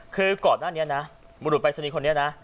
คือก่อนหน้านี้นะบุรุษปรายศนีย์คนนี้นะ